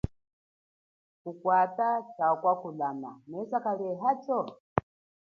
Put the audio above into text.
Kukwata cha kwa kululama meza kaliehacho?